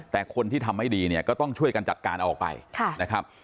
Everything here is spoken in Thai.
แต่คนที่ทำไม่ดีเนี่ยก็ต้องช่วยกันจัดการออกไปนะครับ